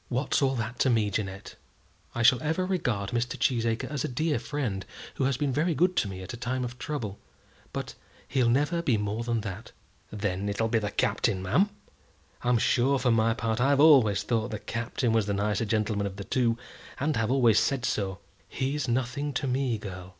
"What's all that to me, Jeannette? I shall ever regard Mr. Cheesacre as a dear friend who has been very good to me at a time of trouble; but he'll never be more than that." "Then it'll be the Captain, ma'am? I'm sure, for my part, I've always thought the Captain was the nicer gentleman of the two, and have always said so." "He's nothing to me, girl."